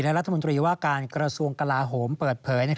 และรัฐมนตรีว่าการกระทรวงกลาโหมเปิดเผย